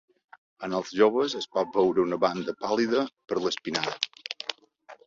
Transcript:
En els joves es pot veure una banda pàl·lida per l'espinada.